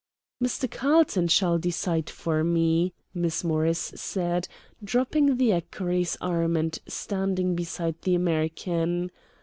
"Mr. Carlton shall decide for me," Miss Morris said, dropping the equerry's arm and standing beside the American.